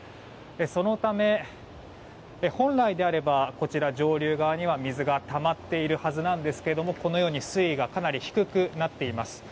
そのため、本来であれば上流側には水がたまっているはずなんですがこのように水位がかなり低くなっています。